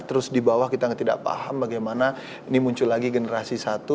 terus di bawah kita tidak paham bagaimana ini muncul lagi generasi satu